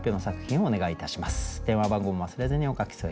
お願いします。